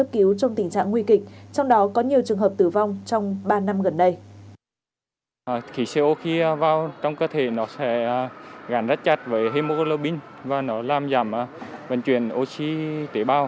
khí co khi vào trong cơ thể nó sẽ gắn rất chặt với hemoglobin và nó làm giảm vận chuyển oxy tế bào